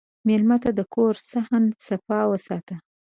مېلمه ته د کور صحن صفا وساته.